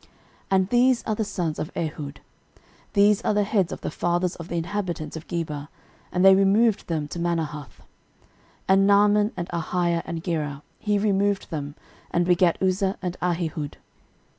13:008:006 And these are the sons of Ehud: these are the heads of the fathers of the inhabitants of Geba, and they removed them to Manahath: 13:008:007 And Naaman, and Ahiah, and Gera, he removed them, and begat Uzza, and Ahihud.